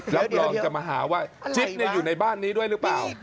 รับรองจะมาหาว่าจิ๊บอยู่ในบ้านนี้ด้วยหรือเปล่า